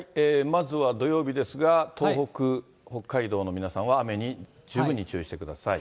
まずは土曜日ですが、東北、北海道の皆さんは雨に十分に注意してください。